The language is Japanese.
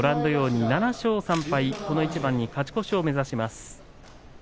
７勝３敗、この一番に勝ち越しを懸けます。